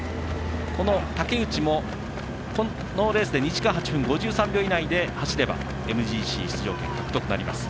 この竹内も、このレースで２時間８分５２秒以内で走ればＭＧＣ出場権獲得となります。